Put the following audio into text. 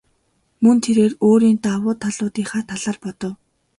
Мөн тэрээр өөрийн давуу талуудынхаа талаар бодов.